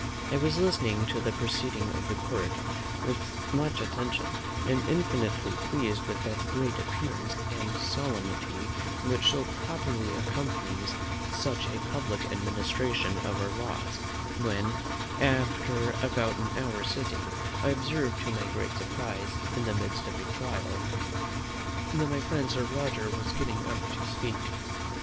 I was listening to the proceeding of the court with much attention, and infinitely pleased with that great appearance and solemnity which so properly accompanies such a publick administration of our laws; when, after about an hour's sitting, I observed to my great surprise, in the midst of a trial, that my friend Sir Roger was getting up to speak.